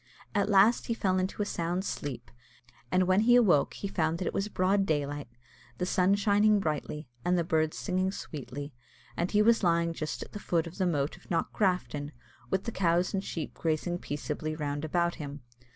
At last he fell into a sound sleep, and when he awoke he found that it was broad daylight, the sun shining brightly, and the birds singing sweetly; and that he was lying just at the foot of the moat of Knockgrafton, with the cows and sheep grazing peaceably round about him.